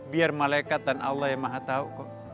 biar malaikat dan allah yang maha tahu kok